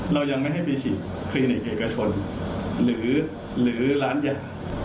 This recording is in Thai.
เรายังไม่ให้ไปฉีดคลินิกอเอกชนหรือร้านยา